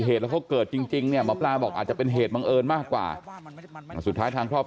คือเป็นห่วงเลยต้องรีบมาก่อน